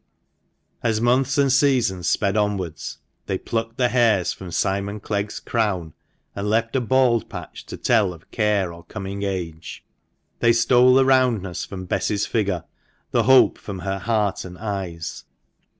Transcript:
As months and seasons sped onwards, they plucked the hairs from Simon Clegg's crown, and left a bald patch to tell of care or coming age ; they stole the roundness from Bess's figure, the 102 THE MANCHESTER MAN. hope from her heart and eyes.